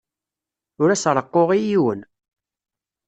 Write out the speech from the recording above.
Ur as-reqquɣ i yiwen.